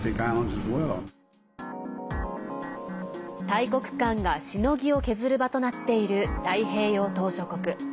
大国間がしのぎを削る場となっている太平洋島しょ国。